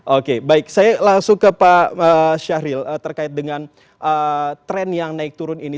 oke baik saya langsung ke pak syahril terkait dengan tren yang naik turun ini